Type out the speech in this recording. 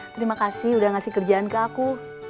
terima kasih udah ngasih kerjaan ke aku